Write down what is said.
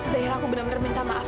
zairah aku bener bener minta maaf